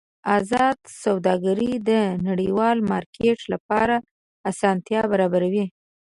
ازاده سوداګري د نړیوال مارکېټ لپاره اسانتیا برابروي.